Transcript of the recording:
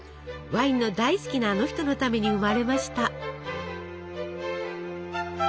ワインの大好きなあの人のために生まれました。